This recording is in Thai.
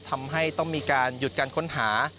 ทำให้ต้องมีการหยุดการค้นหา